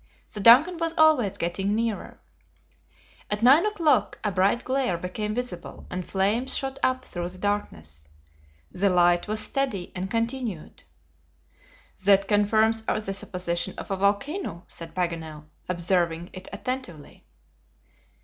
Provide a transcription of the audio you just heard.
The DUNCAN was always getting nearer. At nine o'clock, a bright glare became visible, and flames shot up through the darkness. The light was steady and continued. "That confirms the supposition of a volcano," said Paganel, observing it attentively.